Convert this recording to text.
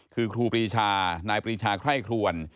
คือครูปรีชานายปรีชาไคร่ครวน